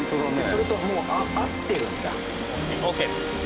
それともう合ってるんだ。